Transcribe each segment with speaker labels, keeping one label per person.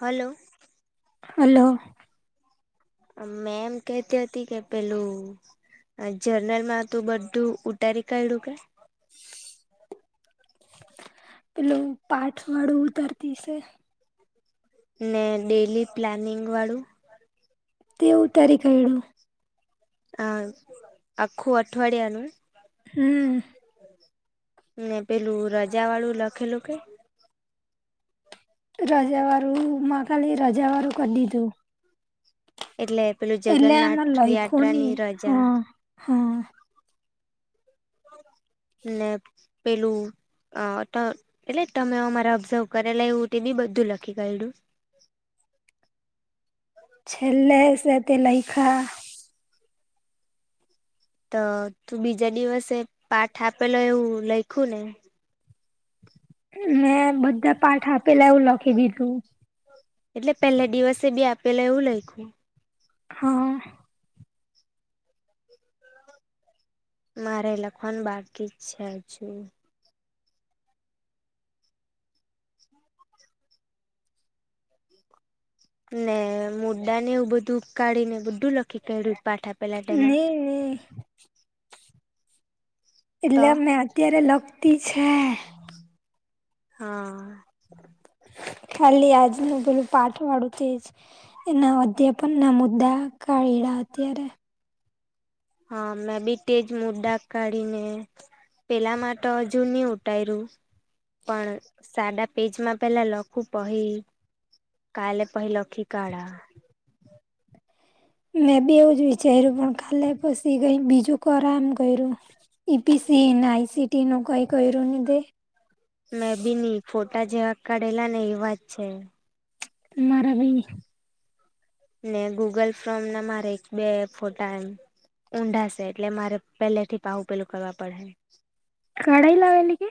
Speaker 1: Hello.
Speaker 2: Hello.
Speaker 1: અ ma'am કેહતી હતી કે પેલું જર્નલ માં તું બધું ઉતારી કાંઈડુ કે?
Speaker 2: પેલું પાઠ વાળું ઉતારતી સે.
Speaker 1: ને ડેલી પ્લાનિંગ વાળું?
Speaker 2: તે ઉતારી કાઈડુ.
Speaker 1: આ, આખું અઠવાડિયાનું?
Speaker 2: હમ્મ.
Speaker 1: ને પેલું રજા વાળું લખેલું કે?
Speaker 2: રજાવાળું, મા ખાલી રજાવાળું કર દીધું.
Speaker 1: એટલે પેલું
Speaker 2: એટલે આમાં
Speaker 1: જગરનાથ
Speaker 2: લયખું
Speaker 1: યાત્રા
Speaker 2: નહી
Speaker 1: ની રજા.
Speaker 2: હા હા
Speaker 1: ને પેલું અ તો એટલે તમે અમારે ઓબ્ઝર્વ કરેલા એવું તે બી બધું લખી કાઈડુ?
Speaker 2: છેલ્લે સે તે લઈખા.
Speaker 1: તો તું બીજા દિવસે પાઠ આપેલો એવું લઇખું ને?
Speaker 2: મેં બધા પાઠ આપેલા એવું લખી દીધું.
Speaker 1: એટલે પેહલે દિવસે બી આપેલા એવું લઈખુ?
Speaker 2: હા.
Speaker 1: મારે એ લખવાનું બાકી જ છે હજુ. હમ [inaudible] ને મોડા ને એવું બધું ઉકાળી ને બુડું લખી ક્યું પાઠ આપ
Speaker 2: ની ની.
Speaker 1: તો
Speaker 2: એટલે મે અત્યારે લખતી છે
Speaker 1: હા.
Speaker 2: ખાલી આજ નું પેલું પાઠ વાળું તેજ એના અધે પણ ના મુદા કાળીળ અત્યારે.
Speaker 1: હા મેં બી તેજ મો ડા કાઢી ને પેલામાં તો હજુ નહી ઉઠાયર્યું. પણ સાડા પેજમાં પેલા લખું પડે. કાલે પહલખી કાઢા
Speaker 2: મેં બેવું જ વિચાર્યું પણ કાલે પછી ગઈ બીજું કર એમ કર્યું ઈ પીસી એનઆઈસીટી નું કહી કર્યુંન દ
Speaker 1: મેં બી નહ ફોટા જેવા કાઢેલા ને એ વાત છે.
Speaker 2: મારા ભી
Speaker 1: ને ગૂગલ ફોમ ના મારે એક બે ફોટા એમ ઊંડાશે એટલે મારે પહેલે થી પાવુ પેલું કરવા પડે
Speaker 2: કડાઈ લાવે આવે એલી કે.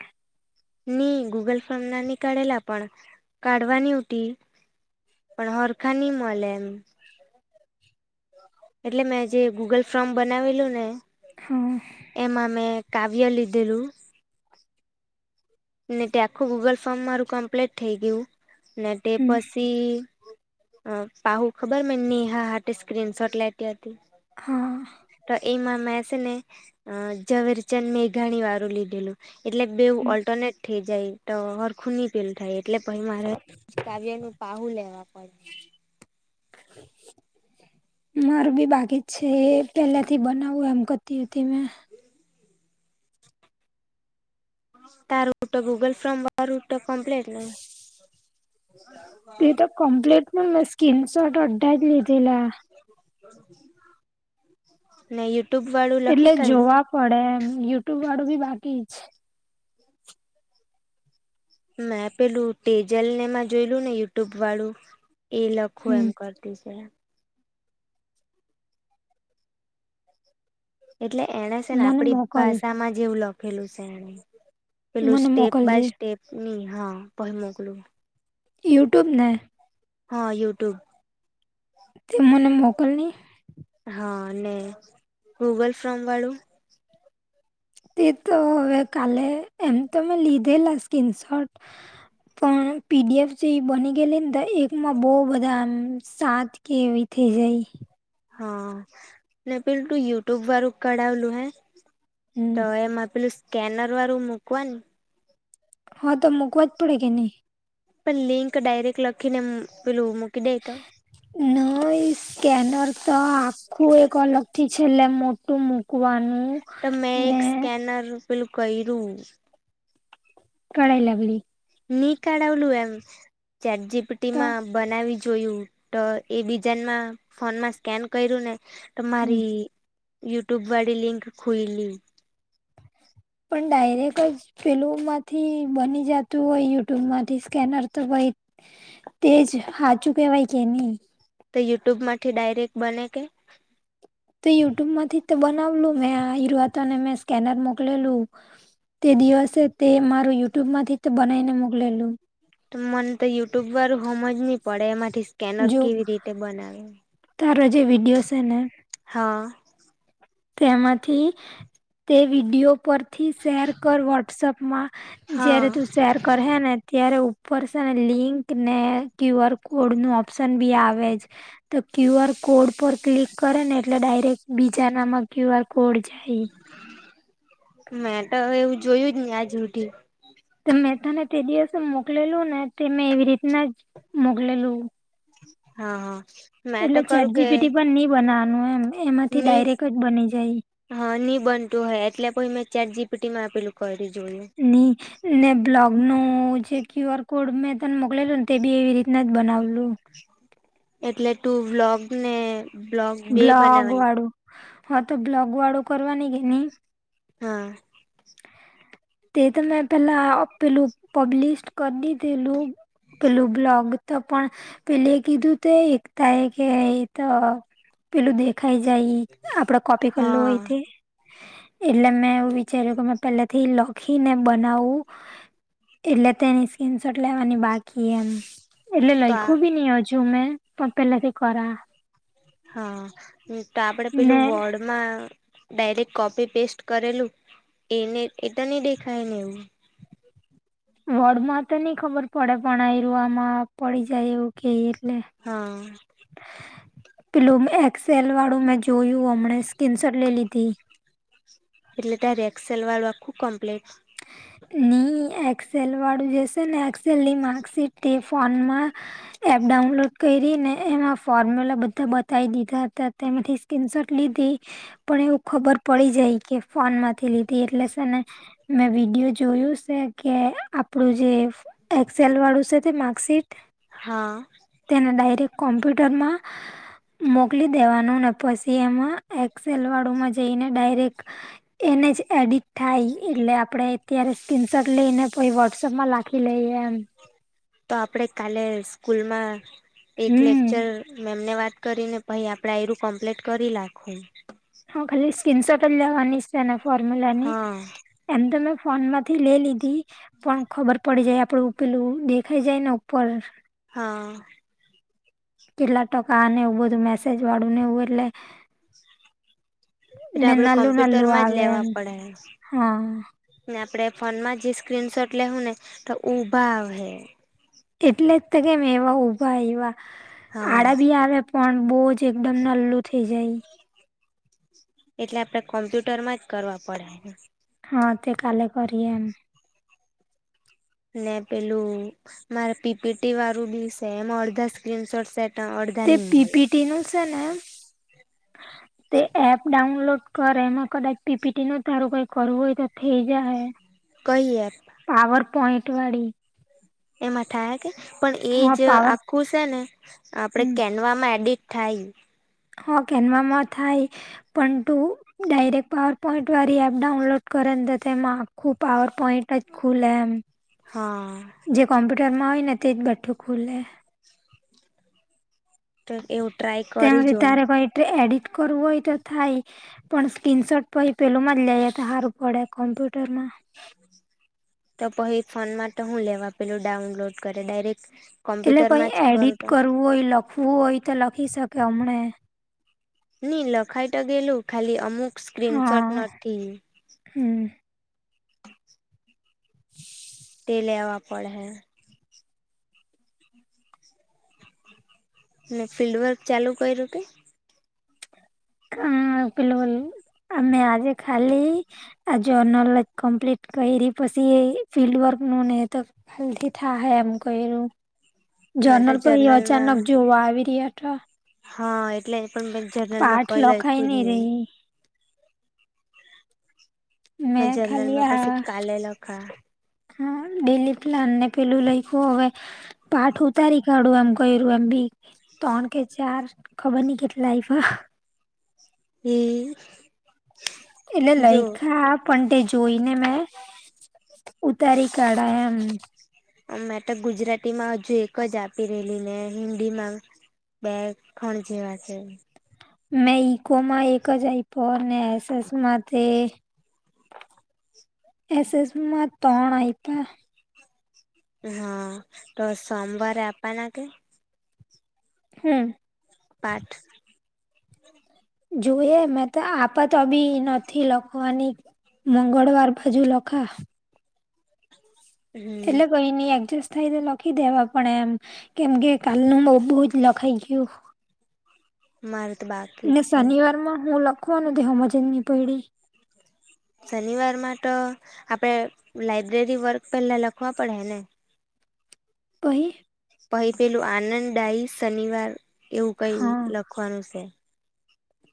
Speaker 1: નહી ગૂગલ ફોમ ના ન કઢેલા પણ કઢવાની હોતી. પણ હરખા નહી મળે એમ એટલે મેં જે ગૂગલ ફોમ બનાવેલું ને
Speaker 2: હા.
Speaker 1: એમાં મેં કાવ્ય લીધેલું. ને તે આખું ગૂગલ ફોર્મ મારું કમ્પ્લીટ થઈ ગયું ને તે
Speaker 2: હમ
Speaker 1: પછી અ પહુ ખબર નેહા હા સ્ક્રીન શોટ લેટી હતી.
Speaker 2: હા.
Speaker 1: તો એમાં મેં છે ને અ ઝવેરચંદ મેઘાણી વાળું લીધેલું. એટલે બેવું
Speaker 2: હમ.
Speaker 1: ઓલ્ટરનેટ થઇ જાય તો. ખૂની પીલ થાય એટલે પછી મારે કાવ્ય નું પહુ લેવા પડે [inaudible]
Speaker 2: માર બી બાકી જ છે એ પેલાથી બનાવવું એમ કરતી હતી મેં.
Speaker 1: તારૂટ ગૂગલ ફ્રોમૂટ કમ્પ્લીટ ન.
Speaker 2: એ તો કમ્પ્લીટ પણ મેં સ્કીન શોટ અડ્ડા જ લીધેલા.
Speaker 1: નય. ય્યુફાળું.
Speaker 2: એટલે જોવા પડે એમ યુટ્યુબ વાળું બી બાકી જ છે.
Speaker 1: મેં પેલું ટેજલને એમાં જોયલું ને યુટ્યુબ વાળું. એ લખું એમ
Speaker 2: હમ
Speaker 1: કરતી છે. એટલે એને છે ને
Speaker 2: મને
Speaker 1: આપડી
Speaker 2: મોકલ
Speaker 1: ભાષામાં જેવું લખેલું છે એને. પેલું
Speaker 2: મને
Speaker 1: સ્ટેપ બાય
Speaker 2: મોકલજે
Speaker 1: સ્ટેપ ની હા ભય મોકલું.
Speaker 2: યુટ્યુબ ને.
Speaker 1: હા યુટ્યુબ.
Speaker 2: તે મને મોકલ ને.
Speaker 1: હા અનેને ગૂગલ ફ્રોમ વાળું.
Speaker 2: તે તો હવે કાલે એમ તો મેં લીધેલા સ્ક્રીનશોટ. પણ પીડીએફ જે બની ગયેલી ને તો એકમાં બહુ બધા સાત કે. થઈ જાય.
Speaker 1: હા પેલું તું યુટ્યુબ વારું કરઢાવલું હે.
Speaker 2: હમ
Speaker 1: તો એમાં પેલું સ્કેનર વાળું મૂકવા.
Speaker 2: હા તો મૂકવા જ પડે કે નહી.
Speaker 1: પણ લિંક ડાયરેક્ટ લખીને પેલું મૂકી દે તો?
Speaker 2: નય. સ્કેનર તો આખું એક અલગ થી છેલ્લે મોટું મૂકવાનું.
Speaker 1: તો મેં એક
Speaker 2: ને
Speaker 1: સ્કેનર પેલું કર્યું.
Speaker 2: કળાય લાવી.
Speaker 1: ની કાઢાવલું એમ ચટજીીપટી
Speaker 2: તો
Speaker 1: માં. બનાવી જોયું તો એ બીજામાં ફોનમાં સ્કેન કર્યું ને.
Speaker 2: હમ.
Speaker 1: તમારી યુટ્યુબ વાળી લિંક ખોઈલી.
Speaker 2: પણ ડાયરેક્ટ જ પેલ માંથી બની જતું હોય યુટ્યુબ માંથી સ્કેનર તો તેજ સાાચું કેહેવાય કે નહી.
Speaker 1: તે યુટ્યુબ માંથી ડાયરેક્ટ બને કે?
Speaker 2: તો યુટ્યુબ માંથી બનાવલું મેંવાતોને મેં સ્કેનર મોકલેલું. તે દિવસે તે મારું યુટ્યુબ માંથી બનાવીને મોકલેલું.
Speaker 1: તો મને તો યુટ્યુબ વાળું હોમ જ નહી પડે એમાંથી સ્કેનર
Speaker 2: જો
Speaker 1: કેવી રીતે બનાવે,
Speaker 2: તારો જે વિડીયો છે ને
Speaker 1: હા.
Speaker 2: તેમાંથી, તે વિડીયો પર થી શેર કર વોટ્સપમાં,
Speaker 1: હા
Speaker 2: જય્યારે તું શેર કર હે ને. ત્યારે ઉપર છે ને લિંક ને ક્યુ આર કોડનું ઓપ્શન બી આવે જ. તો ક્યુ આર કોડ પર ક્લિક કરે ને એટલે ડાયરેક્ટ બીજા નામાં ક્યુ આર કોડ જાય.
Speaker 1: મેં તો એવું જોયું જ ને આજ રૂઢી.
Speaker 2: તો મેં તને તે દિવસે મોકલેલું ને તે મેં એવી રીતના જ મોકલેલું.
Speaker 1: હા હા. મેં તો
Speaker 2: એટલે ચેટ
Speaker 1: કરું કે
Speaker 2: જી બી ટી પણ નઈ બનાવાનું એમ એમાંથી
Speaker 1: ની
Speaker 2: ડાયરેક જ બની જાય.
Speaker 1: હા નહી બનતું હોય એટલે પછી મેં ચેટ જી પી ટીમાં આપેલું કરી જોયું.
Speaker 2: ની. ને બ્લોગ ન જે ક્યુ આર કોડ મેં તને મોકલેલું ને તે બી એવી રીતના જ બનાવલું.
Speaker 1: એટલે તું વ્લોગ ને બ્લોગ બે
Speaker 2: બ્લોગ
Speaker 1: બનાવાની
Speaker 2: વાળું, હા તો બ્લોગ વાળું કરવા ન કે નહી.
Speaker 1: હા.
Speaker 2: તે તો મેં પહેલા પેલું પબલિશ કરની પેલું, પેલું બ્લોગ. તો પણ, પેલે કીધું તો એકતા એ કે તો પેલું દેખાઈ જાય આપડે કોપી કરલું
Speaker 1: હા
Speaker 2: હોય તે, એટલે મેં એવું ચહેરો કો મેં પહેલાથી લ લોક ખીને બનાવ, એટલે તેની સ્કીન શટ લેવાની બાકી એમ, એટલે
Speaker 1: તો આ
Speaker 2: લખું બી નઈ હજુ મેં પણ પેલાથી કરા.
Speaker 1: હા, તો આપડે
Speaker 2: ને
Speaker 1: પેલું વોર્ડમાં ડાયરેક્ટ કોપી પેસ્ટ કરેલું, એને એ તો નહી દેખાય ને એવું?
Speaker 2: વડ માં તો નઈ ખબર પડે પણ આ ર આમાં પડી જાય એવું કે એટલે.
Speaker 1: હા.
Speaker 2: પ્લૂમ એક્સેલ વાળું મેં જોયું હમને સ્ક્રીન શોટ લે લીધી.
Speaker 1: એટલે ત્યારે એક્સેલ વાળું આખું કમ્પ્લીટ?
Speaker 2: ની એક્સેલ વાળું જેશે ને એક્સેલની માર્કશીટ ફોનમાં એપ ડાઉનલોડ કરીને એમાં ફોર્મ્યુલા બધા બતાવી દીધા હતા તેમાંથી તનસોટ લીધી. પણ એવું ખબર પડી જાય કે ફોન માંથી લીધી, એટલે ને મેં વિડીયો જોયું છે કે આપડું જે એક્સેલ વાળું છે તે માર્કશીટ.
Speaker 1: હા.
Speaker 2: તેને ડાયરેક્ કોમ્પ્યુટરમાં મોકલી દેવાનું ને પછી એમાં એક્સેલવાળુંમાં જઈને ડાયરેક્ એને જ એડીટ થાય એટલે આપડણે અત્યારે સ્ક્રીનશોટ લઈને પછ વોટ્સપમાં લખી લઈએ એમ.
Speaker 1: તો આપડે કાલે સ્કૂલમાં, એક
Speaker 2: હમ
Speaker 1: લેકચર મે એમને વાત કરી ને પાઈ આપડે આરું કમ્પ્લીટ કરી રાખું.
Speaker 2: હા ખાલી સ્કીન શોટ જ લેવાની છેના ફોર્મ્યુલા ની.
Speaker 1: હા
Speaker 2: એમ તો મેં ફોન માંથી લે લીધી. પણ ખબર પડી જાય, આપડુ પેલું દેખાઈ જાય ને ઉપર!
Speaker 1: હા
Speaker 2: કેટલા ટકા ને એવું બધું મેસેજવાળું ને એવું એટલે
Speaker 1: એટલે
Speaker 2: ને
Speaker 1: આપડે
Speaker 2: નનલું નનલું
Speaker 1: કોમ્પ્યુટરમાં જ
Speaker 2: આવે
Speaker 1: લેવા
Speaker 2: એમ,
Speaker 1: પડે
Speaker 2: હા.
Speaker 1: ને આપણે ફોનમાં જે સ્ક્રીનસોટ લેહુ ને ટો ઊભા આવહે.
Speaker 2: એટલે જ તે કેમ એવા ઊભા આયવા,
Speaker 1: હા
Speaker 2: આડા બી આવ્યા પણ બહુ જ એકદમ નલલું થઇ જાય.
Speaker 1: એટલે આપડે કોમ્પ્યુટરમાં જ કરવા પડે.
Speaker 2: હા તે કાલે કરીએ, એમ.
Speaker 1: ને પેલું મારે પીપીટી વારુ બી સેમ અડધા સ્ક્રીન સોટ સેટ એ અડધા ની મલે.
Speaker 2: ઈનુ સેને
Speaker 1: [inaudible]
Speaker 2: તે એપ ડાઉનલોડ કર એમાં કડાચ પીપીટીનું તારું કઈ કરવું હોય, તો થઇ જાહે.
Speaker 1: કઈ ઍપ?
Speaker 2: પાવર પોઈન્ટવાળી
Speaker 1: એમાં થાય કે? પણ એ
Speaker 2: હા
Speaker 1: જ
Speaker 2: પાવર
Speaker 1: આખું સે ને આપણે કે
Speaker 2: હમ
Speaker 1: કેનવામાં એડિટ થાય
Speaker 2: હ કેનવમાં થાય, પણ તું ડાયરેક્ પાવર પોઈન્ટવારી એપ ડાઉનલોડ કરે ન તો તેમાં આખું પાવર પોઈન્ટ જ ખુલ એમ
Speaker 1: હા
Speaker 2: જે કોમ્પ્યુટરમાં હોય ને તે જ બેઠું ખુલે.
Speaker 1: ચલ એવું ટ્રાય ક
Speaker 2: તેમથી તારે પોઈટ એડિટ કરવું હોય તો થાય. પણ સ્કીનસોટ પહિ પેલોમાં જ લઇએ તો હારું પડે કોમ્પ્યુટરમાં.
Speaker 1: તો પહિ ફોન મા ટે હું લેવા પેલું ડાઉનલોડ કરે ડાયરેક્
Speaker 2: એટલે પહિ એડિટ કરવું હોય લખવું હોય તો લખી સકે હમણે.
Speaker 1: ની, લખાઈ ટો ગેલું ખાલી અમુક સ્ક્રીનશોટ
Speaker 2: હા
Speaker 1: નથી
Speaker 2: હમ. [inaudible]
Speaker 1: તે લેવા પડહે. ને ફિલ્ડવર્ક ચાલુ કઇરુ કંઇ?
Speaker 2: અ પેલુઓલુ અમે આજે ખાલી આ જર્નલ જ કમ્પ્લીટ કઇરી, પસી એ ફિલ્ડ વર્કનું ને એ તો, હલ્થી થાહે એમ કયરૂ.
Speaker 1: માટે
Speaker 2: જર્નલ પહી
Speaker 1: જર્નલમાં
Speaker 2: અચાનક જોવા આવી રીએ ટો?
Speaker 1: હા એટલે એમ પણ મે જર્નલમાં
Speaker 2: પાઠ
Speaker 1: કઈ
Speaker 2: લખાઈ
Speaker 1: લયખું જ નહી.
Speaker 2: રહી મેં ખાલી
Speaker 1: જર્નલમાં પછી
Speaker 2: આ
Speaker 1: કાલે લખા
Speaker 2: હ ડિલી પ્લાનને પેલું લઈખુ હવે, પાઠ ઉતારી કાઢું એમ કઇરુ એમ બી. તણ કે ચાર ખબર નઈ કેટલા આઇપા.
Speaker 1: હમ.
Speaker 2: એટલે લઈખા, પણ તે જોઈને મેં ઉતારી કાઢા એમ.
Speaker 1: મેં તો ગુજરાતીમાં હજુ એક જ આપી રહેલી ને હિન્દી માં બે ખણ જેવા છે.
Speaker 2: મેં ઈકોમાં એક જ આયપો અને એસસ મા તે એસ એસ માં તણ આયપા.
Speaker 1: હા, તો સોમવારે આપવાના કે?
Speaker 2: હમ્મ.
Speaker 1: પાઠ
Speaker 2: જોએ મે તો આપા તો બી નથી લખવાની. મંગળવાર બાજુ લખા.
Speaker 1: હમ
Speaker 2: એટલે કોઈ નઈ એડજસ્ટ થાય તો લખી દેવા પણ એમ કેમ કે કાલનું બહ બઉ જ લખાઈ ગયું.
Speaker 1: મારું તો બાકી
Speaker 2: ને
Speaker 1: જ છે
Speaker 2: શનિવારમાં હું લખવાનું ત હમજની પઢી.
Speaker 1: શનિવારમાં તો આપણે લાાઈબ્રેરી વર્ક પહેલાં લખવા પડે ને?
Speaker 2: પહી.
Speaker 1: પહી પેલું આનંદ દાય શનિવાર એવું કઈ
Speaker 2: હા
Speaker 1: લખવાનું છે.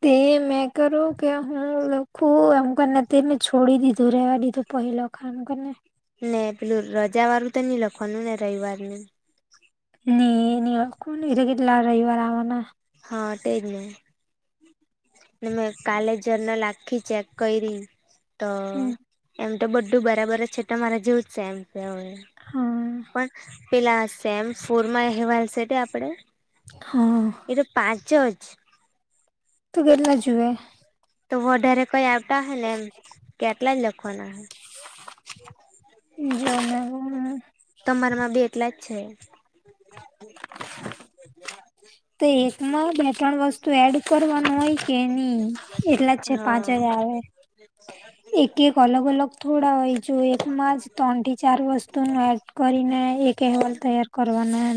Speaker 2: તે મેં કરું કે હું લખું એમ કરીને તેને છોડી દીધું રેવા દીધું. પહલા ખામ કરને.
Speaker 1: ને પેલું રજા વારું તો નઈ લખવાનું ને રવિવાર નુ?
Speaker 2: નઈ ન કોણ કેટલા રવિવાર આવવાના.
Speaker 1: હ તેજ ને. ને મેં કાલે જર્નલ આખી ચેક કરી તો
Speaker 2: હમ
Speaker 1: એમ તો બધું બરાબર છે તમારા જેવ જ સેમ છે.
Speaker 2: હા.
Speaker 1: પણ પેલા સેમ ફૂરમાં અહેવાલ છે તે આપણે
Speaker 2: હા.
Speaker 1: એ તો પાચ અ છે.
Speaker 2: તો કેટલા જુએ.
Speaker 1: તો વડારે કોઈ આવતા હોય ને એમ કે આટલા જ લખવાના હો.
Speaker 2: જમે [unintelligible]
Speaker 1: તમારામાં બી એટલા જ છે.
Speaker 2: [unintelligible] તો એકમાં બે ત્રણ વસ્તુ એડ કરવાનું હોય કે નહી એટલા જ છે પાંચ જ
Speaker 1: હા
Speaker 2: આવે.
Speaker 1: [inaudible]
Speaker 2: એક એક અલગ અલગ થોડા હોય જો એકમાં જ ત્રણ થી ચાર વસ્તુનું એડ કરીને એક અહેવાલ તૈયાર કરવાના.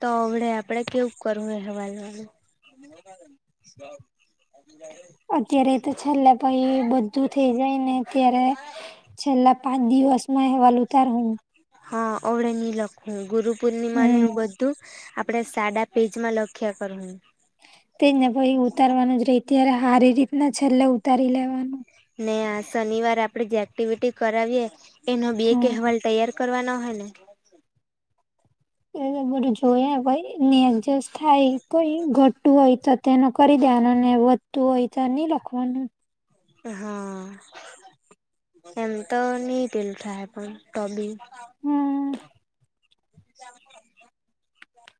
Speaker 1: તો અવડે આપડે કેવું કરવું એહવાલ માં. [inaudible]
Speaker 2: અત્યારે તો છેલ્લે ભાઈ બધું થઈ જાય ને ત્યારે છેલ્લા પાંચ દિવસમાં એહવાલ ઉતાર નુ.
Speaker 1: હા અવડે નહી લખું ગુરુ પૂર્ણિમા ને
Speaker 2: હમ
Speaker 1: એવું બધું આપે સાડા પેજમાં લખ્યા કર હુ.
Speaker 2: તેજ ને પછી ઉતારવાનું જ રે ત્યારે સારી રીતના છેલ્લે ઉતારી લેવાનું.
Speaker 1: ને આ શનિવાર આપડે જે એક્ટિવિટી કરાવીએ એનો બે એક
Speaker 2: હા
Speaker 1: એહેવાલ તૈયાર કરવાના હોય ને.
Speaker 2: એ બધું જોય એડજ થાય કોઈ ઘ ટતું હોય તો તેનું કરી દેવાનું અને વધતું હોય તો નહી લખવાનું.
Speaker 1: હા એમ તો ની પેલુ થાય પણ તોબી.
Speaker 2: હમ્મ.
Speaker 1: મજામાં. [unintelligible]